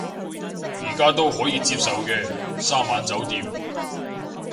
而家都可以接受嘅，三晚酒店